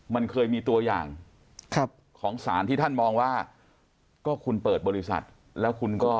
มันเคยมีตัวอย่างครับของสารที่ท่านมองว่าก็คุณเปิดบริษัทแล้วคุณก็